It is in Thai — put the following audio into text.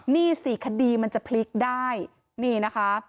นี่สิคดีมันจะพลิกได้นี่นะคะ